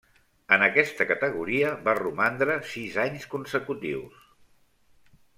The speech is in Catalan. En aquesta categoria va romandre sis anys consecutius.